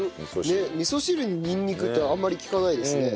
味噌汁ににんにくってあんまり聞かないですね。